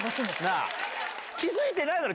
気付いてないだろ？